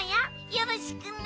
よろしくね。